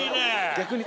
逆に。